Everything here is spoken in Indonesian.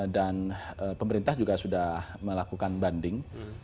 dan pemerintah juga sudah melakukan banding